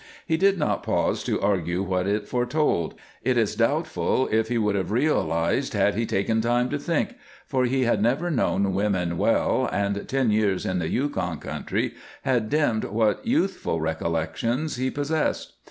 He did not pause to argue what it foretold; it is doubtful if he would have realized had he taken time to think, for he had never known women well, and ten years in the Yukon country had dimmed what youthful recollections he possessed.